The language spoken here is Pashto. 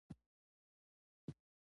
بوتل د کور د کارونو برخه ده.